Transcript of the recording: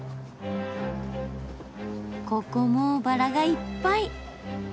ここもバラがいっぱい！